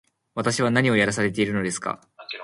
私は何をやらされているのですか